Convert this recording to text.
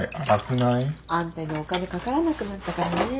あんたにお金かからなくなったからね。